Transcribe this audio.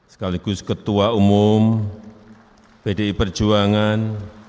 sekaligus ketua umum pdi perjuangan